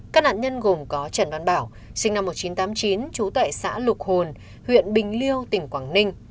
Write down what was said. các nạn nhân gồm có trần văn bảo sinh năm một nghìn chín trăm tám mươi chín trú tại xã lục hồn huyện bình liêu tỉnh quảng ninh